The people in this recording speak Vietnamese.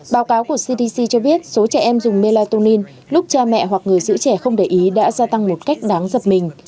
báo cáo của cdc cho biết số trẻ em dùng melatonin lúc cha mẹ hoặc người giữ trẻ không để ý đã gia tăng một cách đáng giật mình